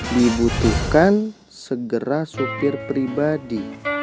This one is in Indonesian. dibutuhkan segera supir pribadi